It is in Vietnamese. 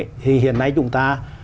thì hiện nay chúng ta